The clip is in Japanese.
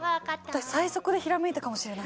私最速でひらめいたかもしれない。